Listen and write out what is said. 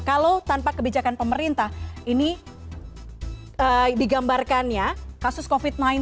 kalau tanpa kebijakan pemerintah ini digambarkannya kasus covid sembilan belas